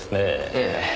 ええ。